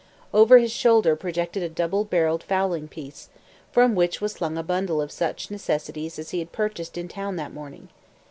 Over his shoulder projected a double barrelled fowling piece, from which was slung a bundle of such necessities as he had purchased in town that morning.